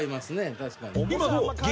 確かに。